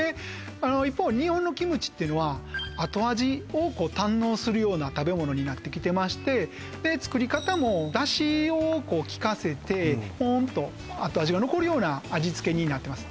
一方日本のキムチっていうのは後味を堪能するような食べ物になってきてまして作り方も出汁をきかせてポーンと後味が残るような味付けになってます